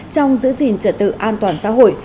trong giữ gìn trật tự an toàn xã hội